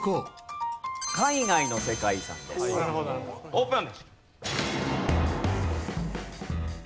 オープン。